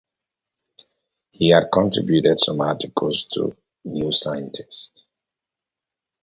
He had contributed some articles to "New Scientist".